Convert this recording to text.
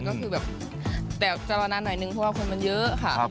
ก็คือแบบแต่จะรอนานหน่อยนึงเพราะว่าคนมันเยอะค่ะ